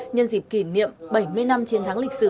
nhân dịp kỷ niệm bảy mươi năm chiến thắng lịch sử